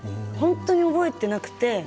本当に覚えてなくて。